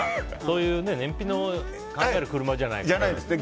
燃費を考える車じゃないからね。